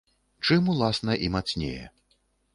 Чым, уласна, і мацнее.